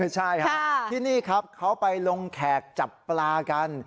ใช่ครับที่นี่ครับเขาไปลงแขกจับปลากัน